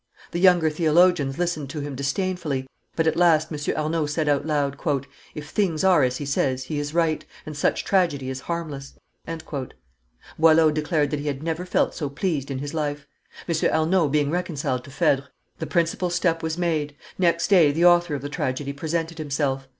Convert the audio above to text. The younger theologians listened to him disdainfully, but at last M. Arnauld said out loud, "If things are as he says, he is right, and such tragedy is harmless." Boileau declared that he had never felt so pleased in his life. M. Arnauld being reconciled to Phedre, the principal step was made next day the author of the tragedy presented himself.